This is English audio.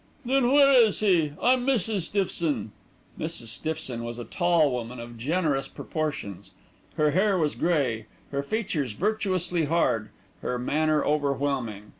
"Then where is he? I'm Mrs. Stiffson." Mrs. Stiffson was a tall woman of generous proportions. Her hair was grey, her features virtuously hard, her manner overwhelming.